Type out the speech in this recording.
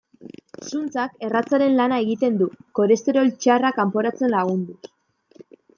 Zuntzak erratzaren lana egiten du, kolesterol txarra kanporatzen lagunduz.